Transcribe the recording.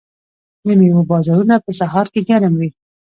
د میوو بازارونه په سهار کې ګرم وي.